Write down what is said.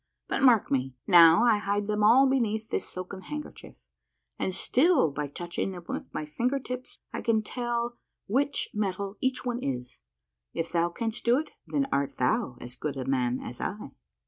' But mark me : now I hide them all beneath this silken kerchief, and still by touching them with my finger tips I can tell wdiat metal each one is. If thou canst do it, then art thou as good a man as I.